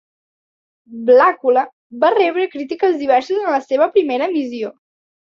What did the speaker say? "Blacula" va rebre crítiques diverses en la seva primera emissió.